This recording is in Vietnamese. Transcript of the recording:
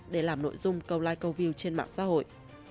để làm nội dung câu like câu view trên mạng xã hội